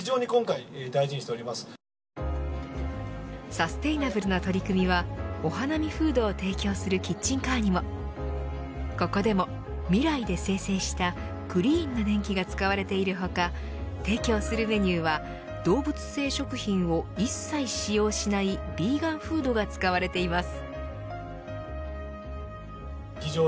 サステイナブルな取り組みはお花見フードを提供するキッチンカーにもここでもＭＩＲＡＩで生成したクリーンな電気が使われている他提供するメニューは動物性食品を一切使用しないビーガンフードが使われています。